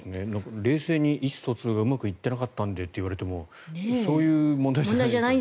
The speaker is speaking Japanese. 冷静に意思疎通がうまくいってなかったのでと言われてもそういう問題じゃない。